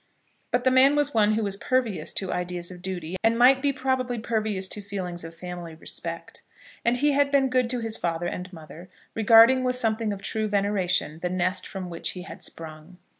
But the man was one who was pervious to ideas of duty, and might be probably pervious to feelings of family respect. And he had been good to his father and mother, regarding with something of true veneration the nest from which he had sprung.